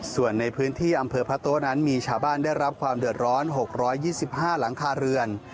ส่วนในพื้นที่อำเภอพระโต๊ะนั้นมีชาวบ้านได้รับความเดือดร้อน๖๒๕หลังคาเรือน